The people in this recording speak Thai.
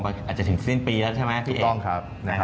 อาจจะถึงสิ้นปีแล้วใช่มั้ยพี่เอ็ดถูกต้องครับ